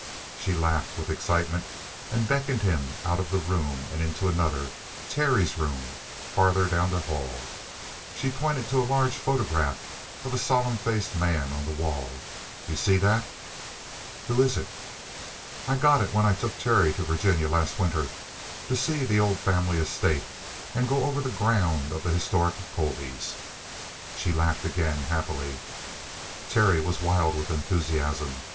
She laughed with excitement and beckoned him out of the room and into another Terry's room, farther down the hall. She pointed to a large photograph of a solemn faced man on the wall. "You see that?" "Who is it?" "I got it when I took Terry to Virginia last winter to see the old family estate and go over the ground of the historic Colbys." She laughed again happily. "Terry was wild with enthusiasm.